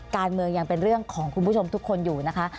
การเมืองยังเป็นเรื่องของคุณผู้ชมทุกคนอยู่นะคะ